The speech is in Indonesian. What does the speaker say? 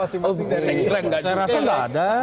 saya rasa tidak ada